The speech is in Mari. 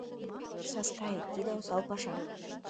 — Саскай, тиде — осал паша.